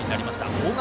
大垣